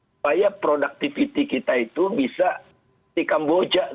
supaya productivity kita itu bisa di kamboja